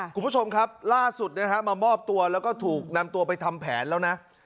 คุณผู้ชมครับล่าสุดมามอบตัวแล้วก็ถูกนำตัวไปทำแผนแล้วนะ